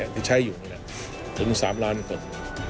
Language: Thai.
ที่ใช้อยู่นี่ถึง๓ล้านคน